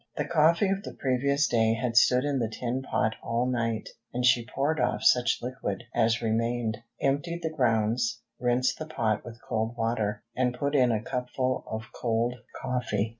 The coffee of the previous day had stood in the tin pot all night, and she poured off such liquid as remained, emptied the grounds, rinsed the pot with cold water, and put in a cupful of cold coffee.